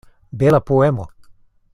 Bela poemo!